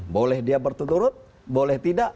boleh dia bertuturut boleh tidak